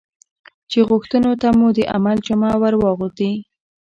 چې غوښتنو ته مو د عمل جامه ور واغوندي.